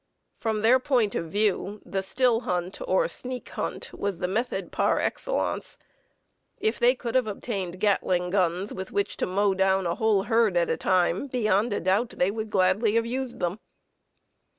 From their point of view, the still hunt or "sneak" hunt was the method par excellence. If they could have obtained Gatling guns with which to mow down a whole herd at a time, beyond a doubt they would have gladly used them.